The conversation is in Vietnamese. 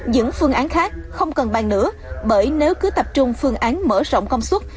những phương án khác không cần bàn nữa bởi nếu cứ tập trung phương án mở rộng công suất